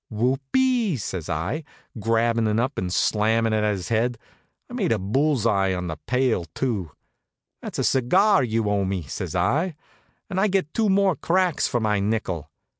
"Whoop ee!" says I, grabbin' it up and slammin' it at his head. I made a bull's eye on the pail, too. "That's a cigar you owe me," says I, "and I gets two more cracks for my nickel."